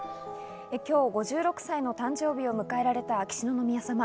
今日５６歳の誕生日を迎えられた秋篠宮さま。